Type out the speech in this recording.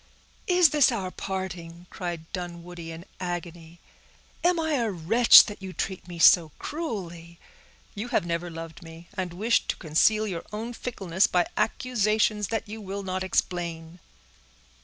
"Is this our parting!" cried Dunwoodie, in agony. "Am I a wretch, that you treat me so cruelly? You have never loved me, and wish to conceal your own fickleness by accusations that you will not explain."